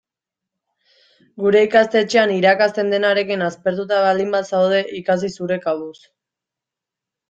Gure ikastetxean irakasten denarekin aspertuta baldin bazaude, ikasi zure kabuz.